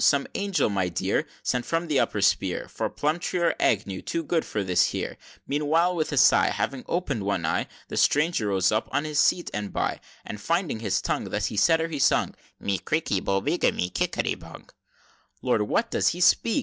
"Some angel, my dear, Sent from some upper spear For Plumtree or Agnew, too good for this here!" XXVI. Meanwhile with a sigh, Having open'd one eye, The Stranger rose up on his seat by and by; And finding his tongue, Thus he said, or he sung, "Mi criky bo biggamy kickery bung!" XXVII. "Lord! what does he speak?"